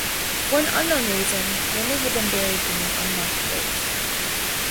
For an unknown reason, Lindley had been buried in an unmarked grave.